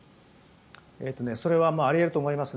それはあり得ると思います。